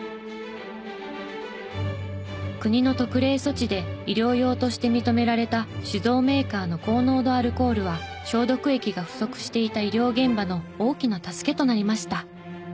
国の特例措置で医療用として認められた酒造メーカーの高濃度アルコールは消毒液が不足していた医療現場の大きな助けとなりました。